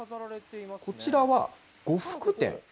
こちらは呉服店。